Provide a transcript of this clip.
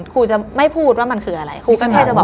ครูจะไม่พูดว่ามันคืออะไรครูก็แค่จะบอก